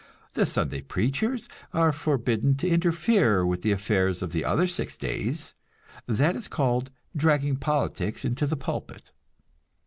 The Sunday preachers are forbidden to interfere with the affairs of the other six days; that is called "dragging politics into the pulpit."